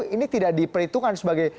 ini tidak diperhitungkan sebagai